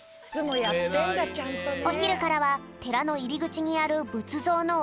おひるからはてらのいりぐちにあるぶつぞうのおていれ。